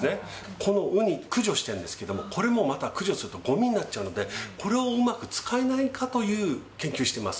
このウニ、駆除してるんですけど、これもまた駆除すると、ごみになっちゃうので、これをうまく使えないかという研究してます。